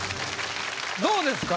どうですか？